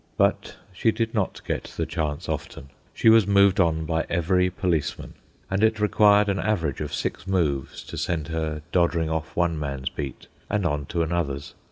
But she did not get the chance often. She was moved on by every policeman, and it required an average of six moves to send her doddering off one man's beat and on to another's.